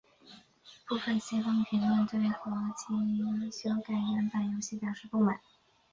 部分西方评论对合辑修改原版游戏表示不满。